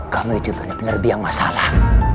kamu itu bener bener biang masalah